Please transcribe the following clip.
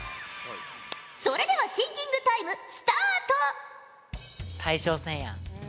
それではシンキングタイムスタート！